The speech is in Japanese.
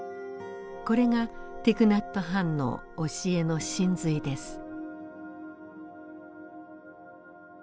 これがティク・ナット・ハンの教えの神髄です。